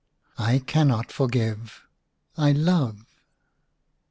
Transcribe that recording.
"I cannot forgive — I love."